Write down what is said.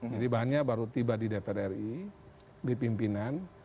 jadi bahannya baru tiba di dpr ri di pimpinan